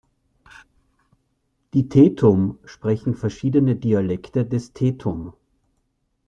Die Tetum sprechen verschiedene Dialekte des Tetum.